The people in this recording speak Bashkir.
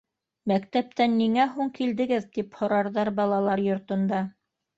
Мәктәптән ниңә һуң килдегеҙ, тип һорарҙар балалар йортонда.